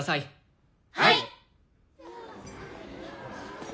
はい！